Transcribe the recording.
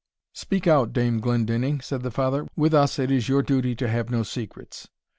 "Speak out, Dame Glendinning," said the Father; "with us it is your duty to have no secrets."